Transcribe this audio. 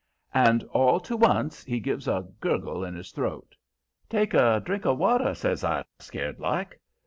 And all to once he gives a gurgle in his throat. "Take a drink of water," says I, scared like.